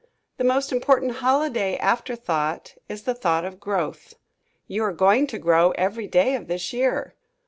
The most important holiday afterthought is the thought of growth. You are going to grow every day of this year.